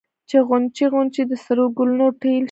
چې غونچې غونچې د سرو ګلونو ټل شي